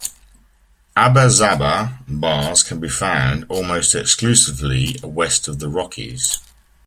Abba-Zaba bars can be found almost exclusively west of the Rockies.